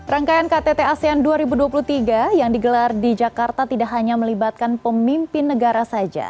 rangkaian ktt asean dua ribu dua puluh tiga yang digelar di jakarta tidak hanya melibatkan pemimpin negara saja